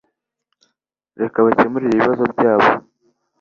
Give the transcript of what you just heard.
Reka bakemure ibibazo byabo.